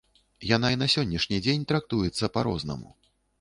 Яна і на сённяшні дзень трактуецца па-рознаму.